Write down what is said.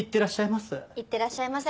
いってらっしゃいませ。